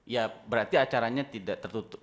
ya berarti acaranya tidak tertutup